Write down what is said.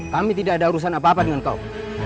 kami tidak ada urusan apa apa dengan kaum